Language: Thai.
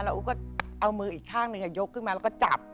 อู๋ก็เอามืออีกข้างหนึ่งยกขึ้นมาแล้วก็จับ